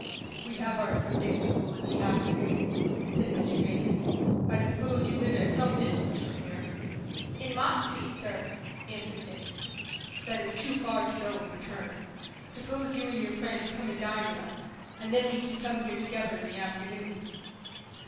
"We have our Sunday school in the afternoon," said Mr. Greyson. "I suppose you live at some distance from here?" "In Mott Street, sir," answered Dick. "That is too far to go and return. Suppose you and your friend come and dine with us, and then we can come here together in the afternoon."